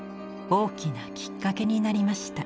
大きなきっかけになりました。